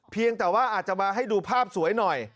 เพียงแต่ว่าอาจจะมาให้ดูภาพสวยหน่อย